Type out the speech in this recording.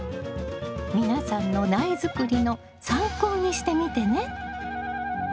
皆さんの苗作りの参考にしてみてね。